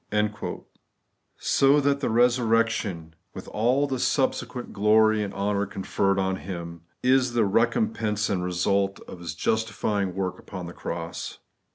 * So that the resurrection, with all the subsequent glory and honour conferred on Him, is the recompense and result of his justifying work upon the cross.